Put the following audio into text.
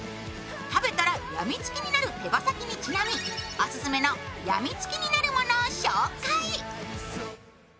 食べたらやみつきになる手羽先にちなみオススメのやみつきになるものを紹介。